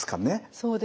そうですね。